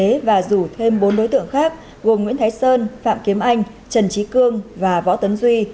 họ tự chế và rủ thêm bốn đối tượng khác gồm nguyễn thái sơn phạm kiếm anh trần trí cương và võ tấn duy